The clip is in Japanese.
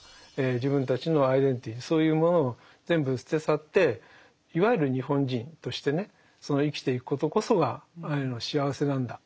自分たちのアイデンティティーそういうものを全部捨て去っていわゆる日本人としてねその生きていくことこそがアイヌの幸せなんだ。